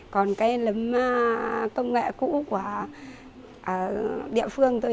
còn cái lấm công nghệ cũ của địa phương tôi